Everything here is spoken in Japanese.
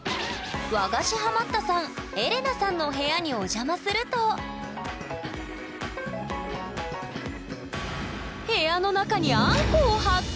和菓子ハマったさんエレナさんの部屋にお邪魔するとを発見！